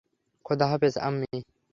খোদা হাফেজ, আম্মি।